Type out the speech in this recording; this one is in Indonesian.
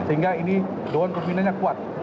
sehingga ini dewan pembina nya kuat